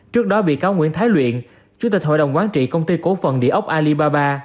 trước đó bị cáo nguyễn thái luyện chủ tịch hội đồng quán trị công ty cổ phần địa ốc alibaba